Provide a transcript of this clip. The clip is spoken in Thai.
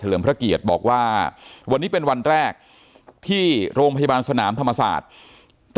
พระเกียรติบอกว่าวันนี้เป็นวันแรกที่โรงพยาบาลสนามธรรมศาสตร์